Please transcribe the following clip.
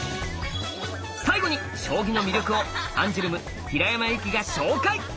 最後に将棋の魅力をアンジュルム平山遊季が紹介！